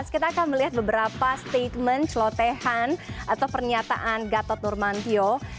kita akan melihat beberapa statement celotehan atau pernyataan gatot nurmantio